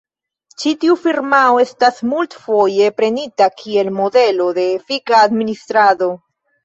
Ĉi tiu firmao estas multfoje prenita kiel modelo de efika administrado.